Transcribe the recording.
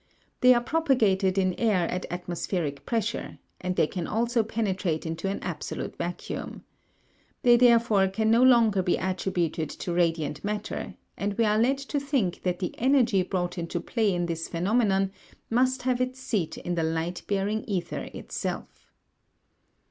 They are propagated in air at atmospheric pressure, and they can also penetrate into an absolute vacuum. They therefore can no longer be attributed to radiant matter, and we are led to think that the energy brought into play in this phenomenon must have its seat in the light bearing ether itself.